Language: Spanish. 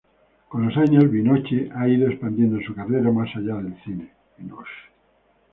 Con los años, Binoche ha ido expandiendo su carrera más allá del cine.